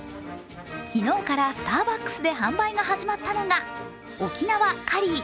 昨日からスターバックスで販売が始まったのが沖縄かりー